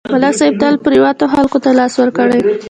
ملک صاحب تل پرېوتو خلکو ته لاس ورکړی